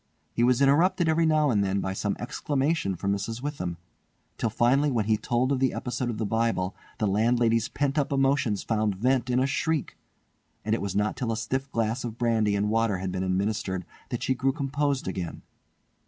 He was interrupted every now and then by some exclamation from Mrs. Witham, till finally when he told of the episode of the Bible the landlady's pent up emotions found vent in a shriek; and it was not till a stiff glass of brandy and water had been administered that she grew composed again.